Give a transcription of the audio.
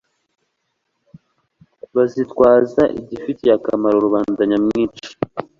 bazitwaza igifitiye akamaro rubanda nyamwinshi